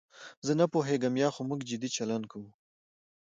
زه نه پوهېږم یا خو موږ جدي چلند کوو.